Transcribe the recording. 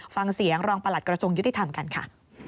ฟังเสียงรองประหลัดกระทรวงยุติธรรมกันค่ะ